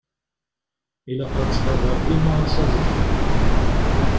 Ilaq ad nettqadar dima asaḍuf.